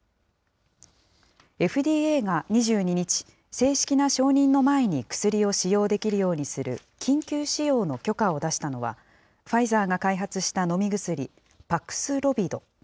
ＦＤＡが２２日、正式な承認の前に薬を使用できるようにする緊急使用の許可を出したのは、ファイザーが開発した飲み薬、パクスロビド。